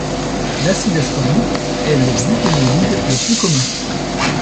L'acide ascorbique est le buténolide le plus commun.